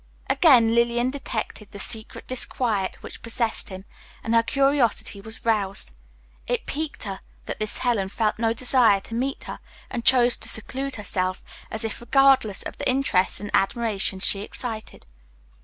Again Lillian detected the secret disquiet which possessed him, and her curiosity was roused. It piqued her that this Helen felt no desire to meet her and chose to seclude herself, as if regardless of the interest and admiration she excited.